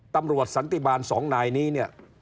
ตำรวจสันติบาล๒นายนี้เนี่ย